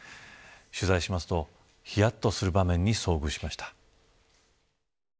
取材をしますた、ひやっとする場面に遭遇しました。